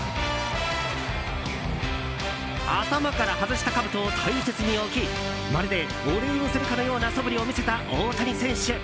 頭から外したカブトを大切に置きまるでお礼をするかのようなそぶりを見せた大谷選手。